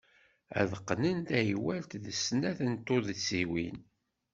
Ad qqnen taywalt d snat n tuddsiwin.